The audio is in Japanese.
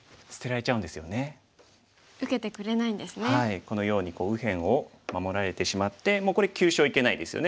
このように右辺を守られてしまってもうこれ急所いけないですよね。